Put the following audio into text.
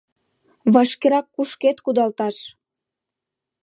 — Вашкерак кушкед кудалташ!